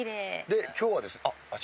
で今日はですねあ！